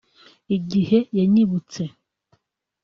Igihe yanyibutse